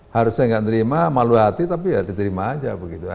harusnya nggak terima malu hati tapi ya diterima aja begitu